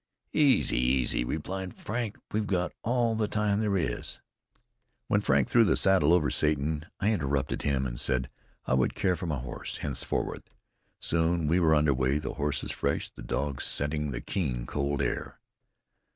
"Easy, easy," replied Frank, "we've all the time there is." When Frank threw the saddle over Satan I interrupted him and said I would care for my horse henceforward. Soon we were under way, the horses fresh, the dogs scenting the keen, cold air.